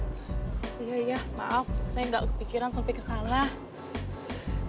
iya iya maaf saya gak kepikiran sampai kesana